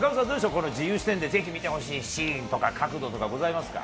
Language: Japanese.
この自由視点でぜひ見てほしいシーンとか、角度とかございますか。